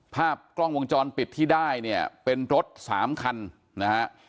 ภาพกล้องวงจรปิดที่ได้เนี่ยเป็นรถสามคันนะฮะ